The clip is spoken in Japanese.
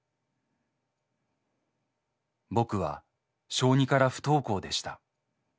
僕は小２から不登校でした。